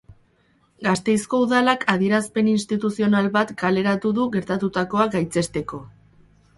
Gasteizko Udalak adierazpen instituzional bat kaleratu du gertatutakoa gaitzesteko